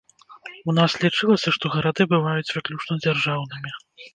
У нас лічылася, што гарады бываюць выключна дзяржаўнымі.